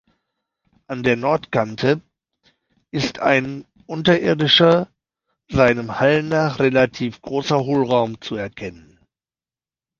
An der Nordkante ist ein unterirdischer, seinem Hall nach relativ großer Hohlraum zu erkennen.